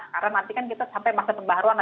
karena nanti kan kita sampai masuk ke pembaharuan